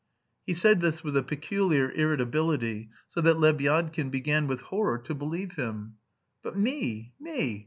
He said this with a peculiar irritability, so that Lebyadkin began with horror to believe him. "But me, me?